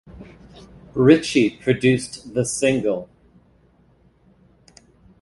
Richie produced the single.